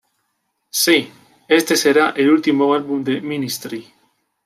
Sí, este será el último álbum de Ministry"".